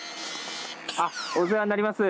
あっお世話になります。